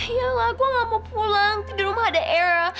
yalah gue gak mau pulang tidur rumah ada era